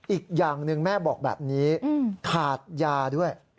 อีกอย่างหนึ่งแม่บอกแบบนี้ขาดยาด้วย